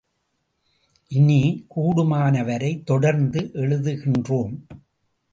இனி, கூடுமானவரை தொடர்ந்து எழுதுகின்றோம்.